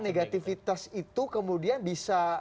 negativitas itu kemudian bisa